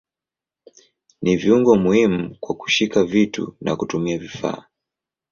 Ni viungo muhimu kwa kushika vitu na kutumia vifaa.